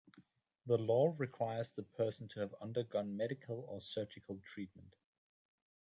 The law requires the person to have undergone medical or surgical treatment.